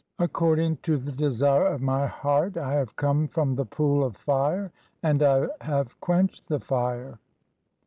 According to the desire of my heart, I have come "from the Pool of Fire, and I have quenched the fire."